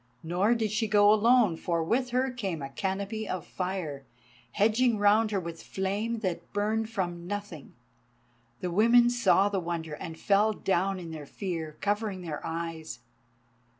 Nor did she go alone, for with her came a canopy of fire, hedging her round with flame that burned from nothing. The women saw the wonder and fell down in their fear, covering their eyes.